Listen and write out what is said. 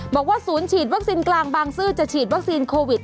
บอกว่าศูนย์ฉีดวัคซีนกลางบางซื่อจะฉีดวัคซีนโควิด